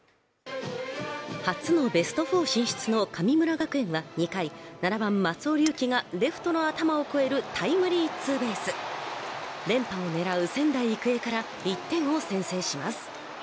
初のベスト４進出の神村学園は２回７番松尾がレフトの頭を越えるタイムリーツーベース連覇を狙う仙台育英から１点を先制します